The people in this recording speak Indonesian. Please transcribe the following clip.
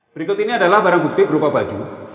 berikut ini adalah barang bukti berupa baju